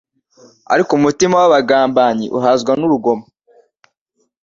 ariko umutima w’abagambanyi uhazwa n’urugomo